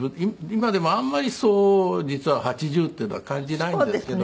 今でもあまりそう実は８０っていうのは感じないんですけども。